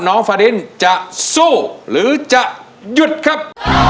ฟาดินจะสู้หรือจะหยุดครับ